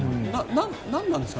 何なんですか？